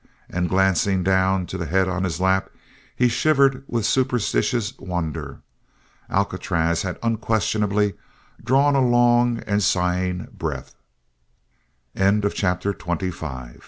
And glancing down to the head on his lap, he shivered with superstitious wonder. Alcatraz had unquestionably drawn a long and sighing breath. CHAPTER XXVI PARTNERS The recovery was